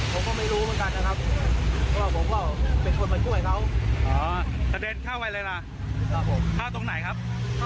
ขอบคุณครับ